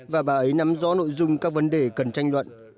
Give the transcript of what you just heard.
và bà ấy nắm rõ nội dung các vấn đề cần tranh luận